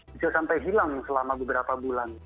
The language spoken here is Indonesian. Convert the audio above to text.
bisa sampai hilang selama beberapa bulan